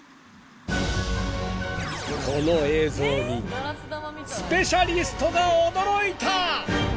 ［この映像にスペシャリストが驚いた！］